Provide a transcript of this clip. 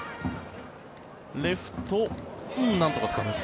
レフト、なんとかつかんだ。